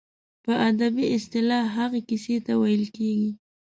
په ادبي اصطلاح هغې کیسې ته ویل کیږي.